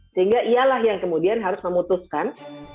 sehingga ialah yang kemudian harus memutuskan